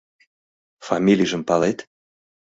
— Фамилийжым палет?